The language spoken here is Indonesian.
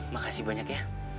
makasih banyak ya